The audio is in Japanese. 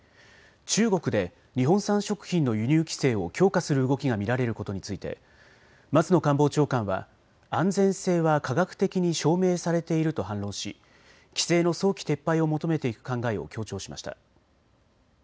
中国で日本産食品の輸入規制を強化する動きが見られることについて松野官房長官は安全性は科学的に証明されていると反論し規制の早期撤廃を求めていく考えを強調しました。